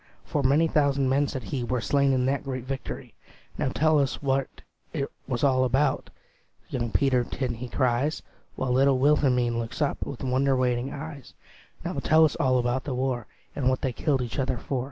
For many thousand men," said he, "Were slain in that great victory." "Now tell us what 't was all about," Young Peterkin he cries; While little Wilhelmine looks up With wonder waiting eyes; "Now tell us all about the war, And what they killed each other for."